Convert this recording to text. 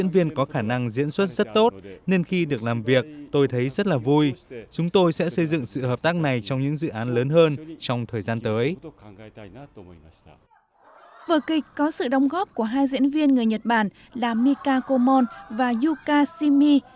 vở kịch có sự đóng góp của hai diễn viên người nhật bản là mika komon và yuka shimi